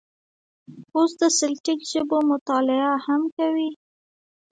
اوس د سلټیک ژبو مطالعه هم کوي.